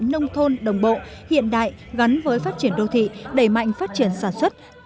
nông thôn đồng bộ hiện đại gắn với phát triển đô thị đẩy mạnh phát triển sản xuất